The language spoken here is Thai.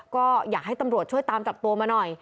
ก็อยากให้ตำรวจช่วยตามจับตัวมาหน่อย